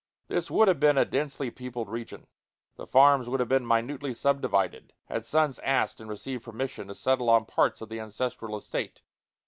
This would have been a densely peopled region, the farms would have been minutely subdivided, had sons asked and received permission to settle on parts of the ancestral estate.